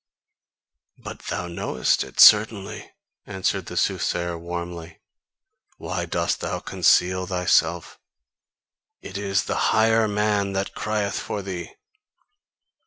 "But thou knowest it, certainly," answered the soothsayer warmly, "why dost thou conceal thyself? It is THE HIGHER MAN that crieth for thee!"